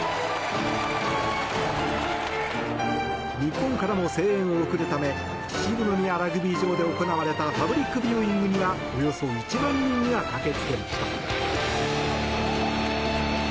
日本からも声援を送るため秩父宮ラグビー場で行われたパブリックビューイングにはおよそ１万人が駆けつけました。